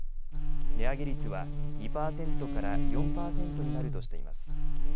値上げ率は２％から４％になるとしています。